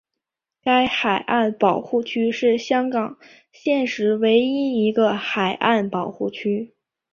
该海岸保护区是香港现时唯一一个海岸保护区。